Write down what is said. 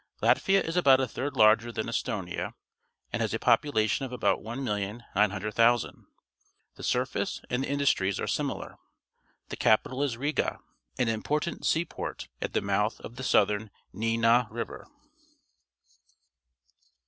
— Latvia is about a third larger than Estonia and has a population of about 1,900,000. The surface and the industries are similar. The capital is Riga, an impor tant seaport at the mouth of the Southern Dvina River.